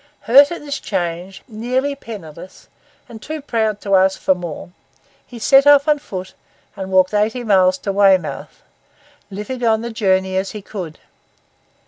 Hurt at this change, nearly penniless, and too proud to ask for more, he set off on foot and walked eighty miles to Weymouth, living on the journey as he could.